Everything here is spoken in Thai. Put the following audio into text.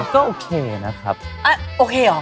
ก็โอเคนะครับโอเคเหรอ